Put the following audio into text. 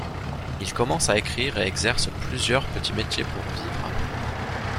Il commence à écrire et exerce plusieurs petits métiers pour vivre.